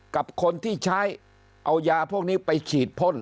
กับคนที่ใช้เอายาพวกนี้ไปฉีดพ่น